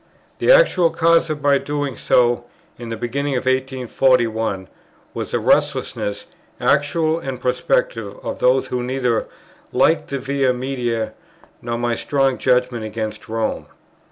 The actual cause of my doing so, in the beginning of 1841, was the restlessness, actual and prospective, of those who neither liked the Via Media, nor my strong judgment against Rome.